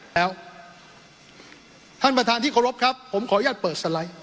แล้วท่านประธานที่เคารพครับผมขออนุญาตเปิดสไลด์